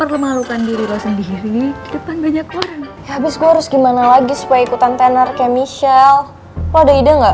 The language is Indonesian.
iya gue mau ngajarin lo sendiri ya gue gak mau dong lo memperlemahkan diri lo sendiri di depan banyak orang ya abis gue harus gimana lagi supaya ikutan tenor kayak michelle lo ada ide gak